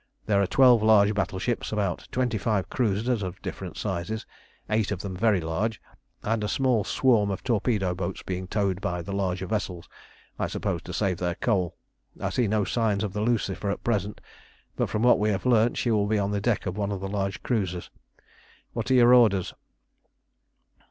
There are twelve large battleships, about twenty five cruisers of different sizes, eight of them very large, and a small swarm of torpedo boats being towed by the larger vessels, I suppose to save their coal. I see no signs of the Lucifer at present, but from what we have learnt she will be on the deck of one of the large cruisers. What are your orders?"